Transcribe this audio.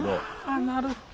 あなるほど。